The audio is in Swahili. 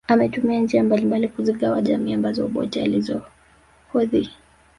Ametumia njia mbalimbali kuzigawa jamii ambazo Obote alizihodhi